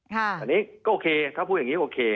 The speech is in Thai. แต่นี่ก็โอเคถ้าพูดอย่างนี้โอเค